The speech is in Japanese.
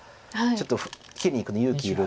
ちょっと切りにいくの勇気いるので。